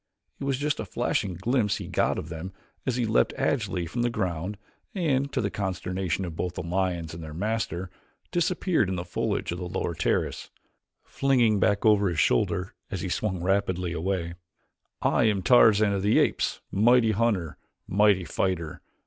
It was just a flashing glimpse he got of them as he leaped agilely from the ground and, to the consternation of both the lions and their master, disappeared in the foliage of the lower terrace, flinging back over his shoulder as he swung rapidly away: "I am Tarzan of the Apes; mighty hunter; mighty fighter!